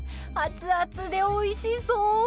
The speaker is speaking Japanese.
熱々でおいしそう！